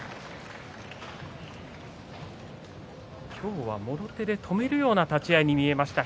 今日は、もろ手で止めるような立ち合いに見えました。